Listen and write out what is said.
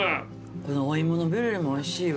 このお芋のブリュレもおいしいわ。